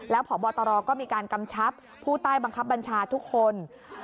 พบตรก็มีการกำชับผู้ใต้บังคับบัญชาทุกคน